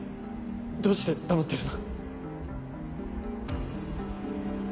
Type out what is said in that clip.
どうして黙ってるの？